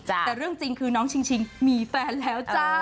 แต่เรื่องจริงคือน้องชิงมีแฟนแล้วจ้า